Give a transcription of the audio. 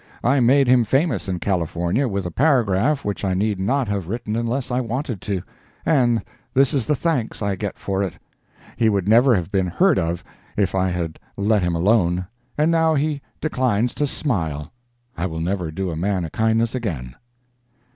I made him famous in California with a paragraph which I need not have written unless I wanted to—and this is the thanks I get for it. He would never have been heard of if I had let him alone—and now he declines to smile. I will never do a man a kindness again.